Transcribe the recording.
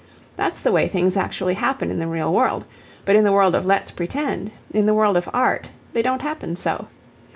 That's the way things actually happen in the real world. But in the world of 'Let's pretend,' in the world of art, they don't happen so.